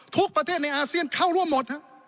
ทุกประเทศในอาเซียนเข้าร่วมหมด